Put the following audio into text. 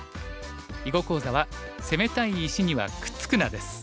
囲碁講座は「攻めたい石にはくっつくな」です。